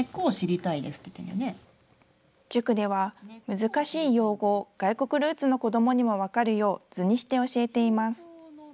難しい用語を外国ルーツの子どもにも分かるよう、図にして教えています。